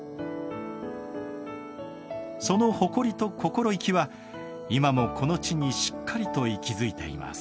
その誇りと心意気は今もこの地にしっかりと息づいています。